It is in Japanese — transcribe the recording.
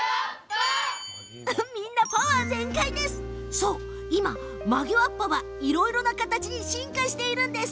そう、今、曲げわっぱはいろいろな形に進化しているんです！